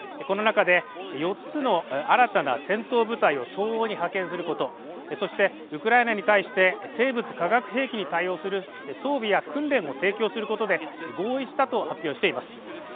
この中で、４つの新たな戦闘部隊を東欧に派遣すること、そして、ウクライナに対して生物・化学兵器に対応する装備や訓練を提供することで合意したと発表しています。